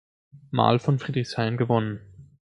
Mal von Friedrichshain gewonnen.